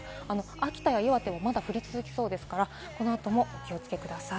秋田や岩手はまだ降り続きそうですから、この後も気をつけてください。